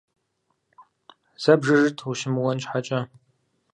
Зэ бжыжыт ущымыуэн щхьэкӀэ.